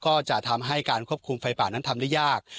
ก็จะทำให้การควบคุมไฟป่านั้นทำได้ยาก